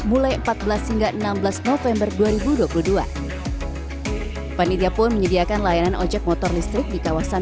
mulai empat belas hingga enam belas november dua ribu dua puluh dua panitia pun menyediakan layanan ojek motor listrik di kawasan